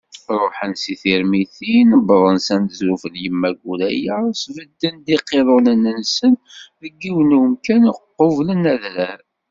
Ṛuḥen si Tirmitin, wwḍen s aneẓruf n Yemma Guraya, sbedden iqiḍunen-nsen deg yiwen n umkan iqublen adrar.